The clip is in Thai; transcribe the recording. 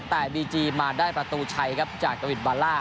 แต่บีจีมาได้ประตูชัยครับจากกวินบาล่า